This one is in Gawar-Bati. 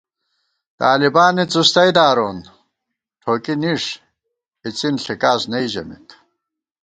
طالبانےڅوستئ دارون، ٹھوکی، نِݭ اِڅِن ݪِکاس نئ ژمېت